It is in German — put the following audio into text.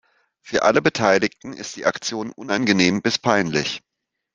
Für alle Beteiligten ist die Aktion unangenehm bis peinlich.